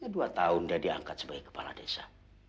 dua tahun dia diangkat sebagai kepala desa